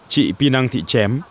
chị pinang thị chém